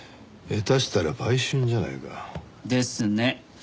下手したら売春じゃないか。ですね。